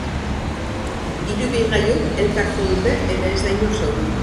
Hiru ibilgailuk elkar jo dute eta ez da inor zauritu.